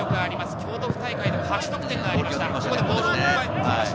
京都府大会でも８得点あげました。